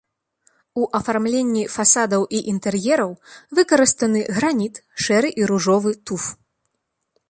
У афармленні фасадаў і інтэр'ераў выкарыстаны граніт, шэры і ружовы туф.